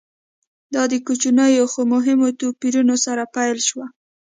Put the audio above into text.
دا د کوچنیو خو مهمو توپیرونو سره پیل شوه